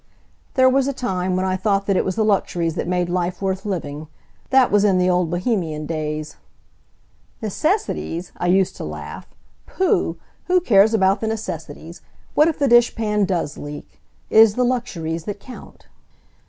There was a time when I thought that it was the luxuries that made life worth living. That was in the old Bohemian days. "Necessities!" I used to laugh, "Pooh! Who cares about the necessities! What if the dishpan does leak? It is the luxuries that count."